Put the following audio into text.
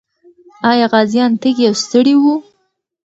آیا غازیان تږي او ستړي وو؟